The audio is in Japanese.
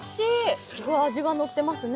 すごい味がのってますね。